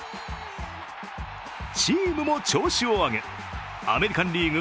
チームも調子を上げアメリカン・リーグ